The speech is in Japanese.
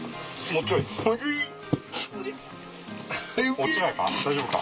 大丈夫か。